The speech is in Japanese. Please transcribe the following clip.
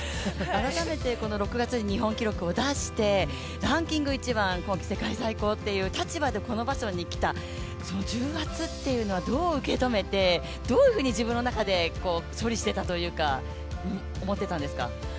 改めて６月に日本記録を出してランキング１番、今季世界最高っていう立場でこの場所に来た、その重圧というのはどう受け止めてどういうふうに自分の中で処理してたというか、思ってたんですか？